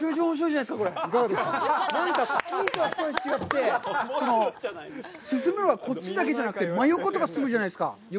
なんかスキーとは一味違って、進むのがこっちだけじゃなくて真横とかにも進むじゃないですか。